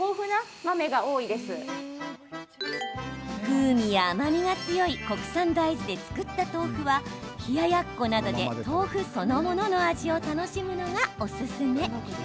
風味や甘みが強い国産大豆で作った豆腐は冷ややっこなどで豆腐そのものの味を楽しむのが、おすすめ。